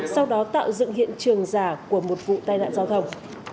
sau đó tạo dựng hiện trường giả của một vụ tai nạn giao thông